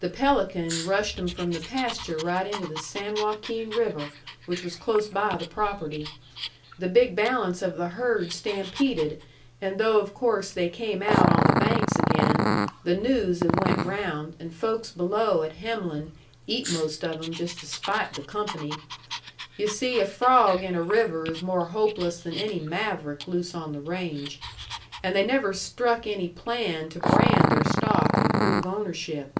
The pelican rushed 'em from the pasture right into the San Joaquin River, which was close by the property. The big balance of the herd stampeded, and though of course they came out on the banks again, the news had went around, and folks below at Hemlen eat most of 'em just to spite the company. Yu' see, a frawg in a river is more hopeless than any maverick loose on the range. And they never struck any plan to brand their stock and prove ownership."